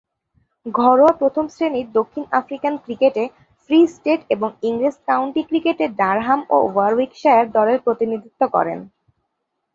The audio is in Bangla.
ঘরোয়া প্রথম-শ্রেণীর দক্ষিণ আফ্রিকান ক্রিকেটে ফ্রি স্টেট এবং ইংরেজ কাউন্টি ক্রিকেটে ডারহাম ও ওয়ারউইকশায়ার দলের প্রতিনিধিত্ব করেন।